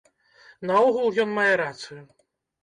Наогул ён мае рацыю.